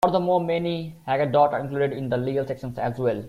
Furthermore, many haggadot are included in the legal sections as well.